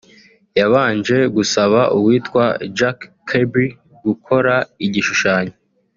yabanje gusaba uwitwa Jack Kirby gukora igishushanyo